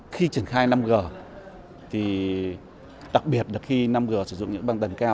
khi triển khai năm g thì đặc biệt là khi năm g sử dụng những băng tần cao